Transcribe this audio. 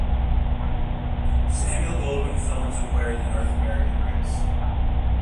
Samuel Goldwyn Films acquired the North American rights.